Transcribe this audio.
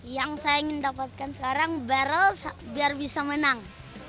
yang saya ingin dapatkan sekarang barrel biar bisa menang